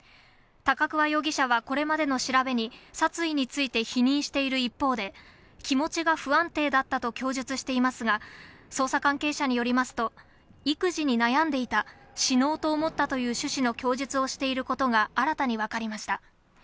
高桑容疑者はこれまでの調べに、殺意について否認している一方で、気持ちが不安定だったと供述していますが、捜査関係者によりますと、育児に悩んでいた、死のうと思ったという趣旨の供述をしていることが新たに分かりました。